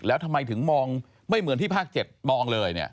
แล้วทำไมถึงมองไม่เหมือนที่ภาค๗มองเลย